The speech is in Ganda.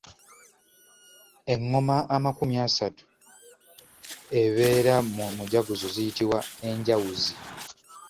Engoma amakumi asatu ebeera mu mujaguzo ziyitibwa enjawuzi.